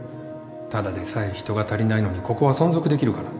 ただでさえ人が足りないのにここは存続できるかな？